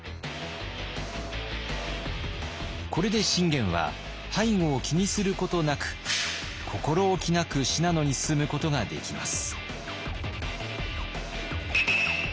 これで信玄は背後を気にすることなく心おきなく信濃に進むことができます。